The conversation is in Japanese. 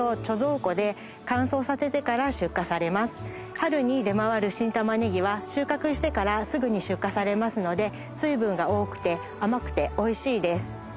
春に出回る新タマネギは収穫してからすぐに出荷されますので水分が多くて甘くておいしいです